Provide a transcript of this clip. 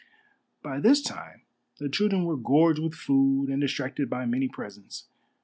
By this time the children were gorged with food and distracted by many presents.